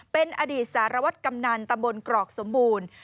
เป็นอดีตสารวัตรกำนันตำบลกรอกสมบูรณ์